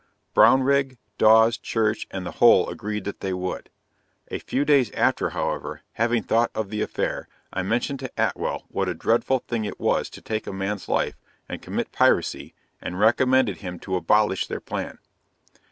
Brownrigg, Dawes, Church, and the whole agreed that they would. A few days after, however, having thought of the affair, I mentioned to Atwell, what a dreadful thing it was to take a man's life, and commit piracy, and recommended him to "abolish," their plan.